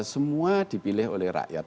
semua dipilih oleh rakyat